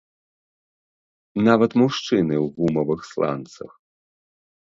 Нават мужчыны ў гумавых сланцах!